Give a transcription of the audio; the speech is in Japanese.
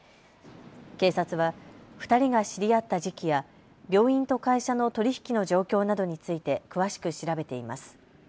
警察は２人が知り合った時期や病院と会社の取り引きの状況などについて詳しく調べています。